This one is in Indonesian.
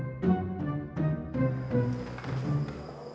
bapak gak tahu